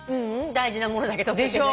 大事なものだけ取っといてね。